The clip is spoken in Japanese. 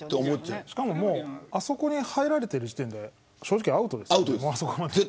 しかもあそこに入れられている時点で、正直アウトですよね。